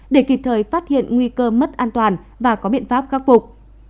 để kịp thời phát hiện nguy cơ mất an toàn và có biện pháp khắc phục